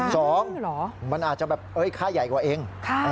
สองมันอาจจะแบบเอ้ยค่าใหญ่กว่าเอง